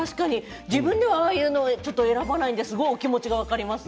自分でもああいうの選ばないのでお気持ちが分かります。